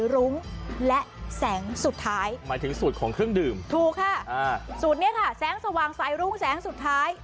ดื่มถูกค่ะอ่าสูตรเนี้ยค่ะแสงสว่างใส่รุ้งแสงสุดท้าย